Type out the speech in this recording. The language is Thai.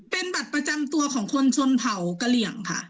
เป็นบัตรประจำตัวของคนชนเผากระเหลี่ยงค่ะ